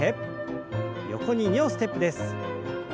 横に２歩ステップです。